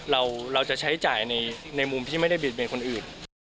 เราจะใช้จ่ายในมุมที่ไม่ได้บิดเบนคนอื่น